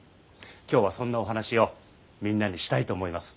今日はそんなお話をみんなにしたいと思います。